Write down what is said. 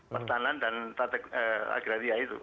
pertanan dan agraria itu